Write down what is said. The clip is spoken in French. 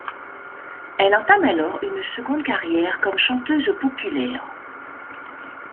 Elle entame alors une seconde carrière comme chanteuse populaire.